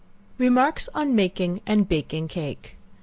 Remarks on Making and Baking Cake.